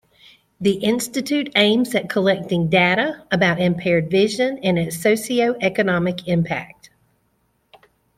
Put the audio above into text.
This institute aims at collecting data about impaired vision and its socio-economic impact.